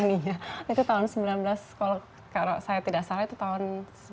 itu tahun sembilan belas kalau saya tidak salah itu tahun seribu sembilan ratus sembilan puluh